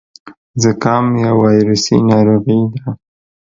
زکام يو وايرسي ناروغي ده.